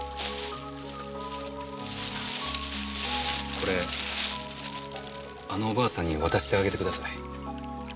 これあのおばあさんに渡してあげてください。